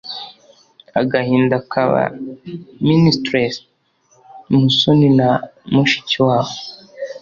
Agahinda kaba Ministres Musoni na Mushikiwabo.